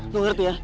lo ngerti ya